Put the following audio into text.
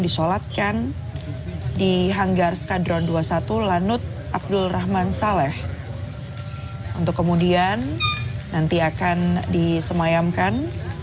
disolatkan di hanggar skadron dua puluh satu lanut abdul rahman saleh untuk kemudian nanti akan disemayamkan